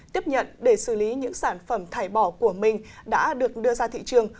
tiếp nhận để xử lý những sản phẩm thải bỏ của mình đã được đưa ra thị trường